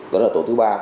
đó là tổ thứ ba